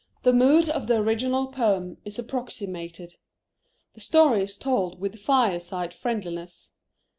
The mood of the original poem is approximated. The story is told with fireside friendliness.